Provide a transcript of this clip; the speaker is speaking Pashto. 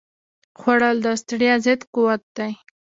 خوړل د ستړیا ضد قوت دی